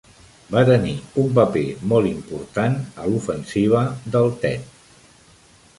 Va tenir un paper molt important a l'Ofensiva del Tet.